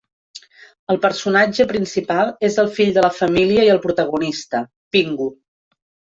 El personatge principal és el fill de la família i el protagonista, Pingu.